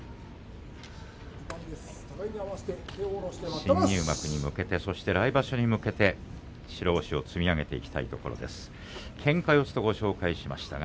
新入幕に向けて来場所に向けて白星を積み上げていきたい若元春です。